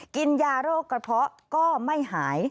กินยาโรคกระเพาะก็ไม่หาย